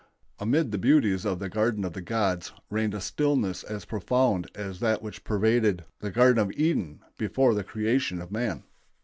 Amid the beauties of the Garden of the Gods reigned a stillness as profound as that which pervaded the Garden of Eden before the creation of man.